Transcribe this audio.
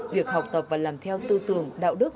việc học tập và làm theo tư tưởng đạo đức